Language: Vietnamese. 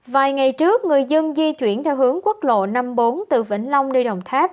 vài ngày trước người dân di chuyển theo hướng quốc lộ năm mươi bốn từ vĩnh long đi đồng tháp